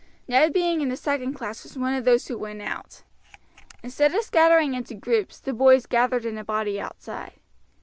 Ned being in the second class was one of those who went out. Instead of scattering into groups, the boys gathered in a body outside.